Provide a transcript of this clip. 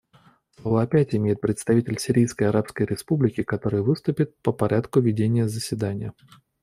Слово опять имеет представитель Сирийской Арабской Республики, который выступит по порядку ведения заседания.